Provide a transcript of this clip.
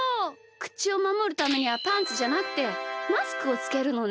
くちをまもるためにはパンツじゃなくてマスクをつけるのね。